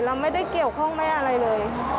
เราไม่ได้เกี่ยวข้องไม่อะไรเลย